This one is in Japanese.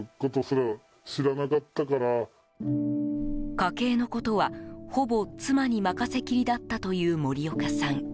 家計のことは、ほぼ妻に任せきりだったという森岡さん。